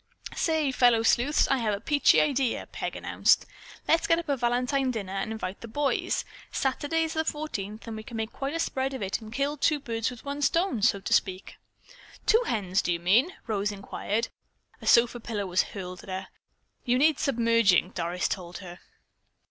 "Say, fellow sleuths, I have a peachy idea," Peg announced. "Let's get up a Valentine dinner and invite the boys. Saturday's the fourteenth, and we can make quite a spread of it and kill two birds with one stone, so to speak." "Two hens, do you mean?" Rose inquired. A sofa pillow was hurled at her. "You need submerging," Doris told her.